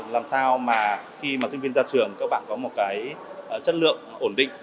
làm sao mà khi mà sinh viên ra trường các bạn có một cái chất lượng ổn định